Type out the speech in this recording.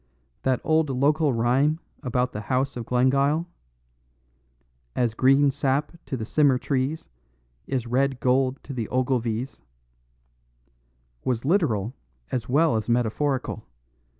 "That old local rhyme about the house of Glengyle As green sap to the simmer trees Is red gold to the Ogilvies was literal as well as metaphorical.